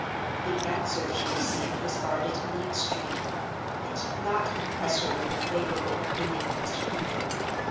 The answer she received was guarded in the extreme: it did not impress her with a favorable opinion of Mr. Pendril.